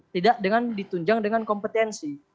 tidak dengan ditunjang dengan kompetensi